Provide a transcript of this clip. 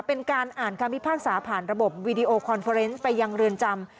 เป็นการอ่านคำพิพากษาผ่านระบบวีดีโอคอนเฟอร์เนสไปยังเรือนจำ